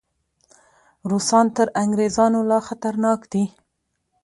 روسان تر انګریزانو لا خطرناک دي.